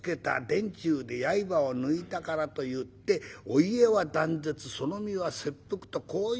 殿中で刃を抜いたからといってお家は断絶その身は切腹とこういう事になった。